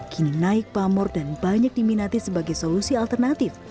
kini naik pamor dan banyak diminati sebagai solusi alternatif